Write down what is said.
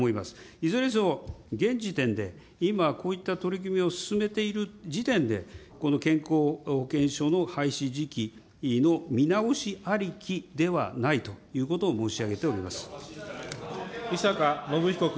いずれにしても、現時点で、今、こういった取り組みを進めている時点で、この健康保険証の廃止時期の見直しありきではないということを申し上げております。